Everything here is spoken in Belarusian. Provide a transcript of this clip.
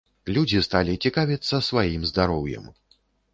Людзі сталі цікавіцца сваім здароўем.